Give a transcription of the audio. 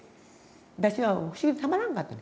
私は不思議でたまらんかった。